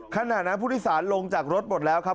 ขณะนั้นผู้โดยสารลงจากรถหมดแล้วครับ